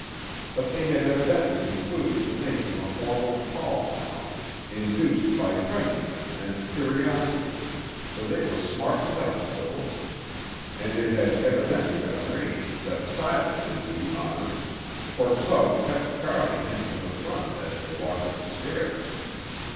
But they had evidently concluded to make him a formal call now, induced by friendliness and curiosity, for they were smartened up a little; and it had evidently been arranged that Silas should do the honors, for Tug kept crowding him to the front as they walked up the stairs.